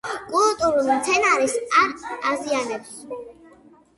კულტურულ მცენარეებს არ აზიანებს.